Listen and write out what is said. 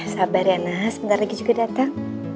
sabar ya nas sebentar lagi juga datang